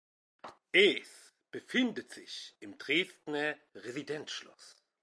Es befindet sich im Dresdner Residenzschloss.